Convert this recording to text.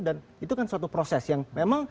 dan itu kan suatu proses yang memang